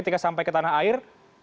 ketika sampai ke tanah air